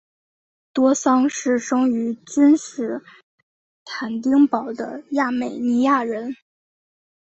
多桑是生于君士坦丁堡的亚美尼亚人。